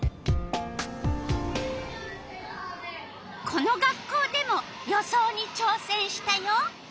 この学校でも予想にちょうせんしたよ。